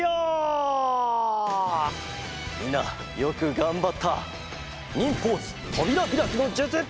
みんなよくがんばった。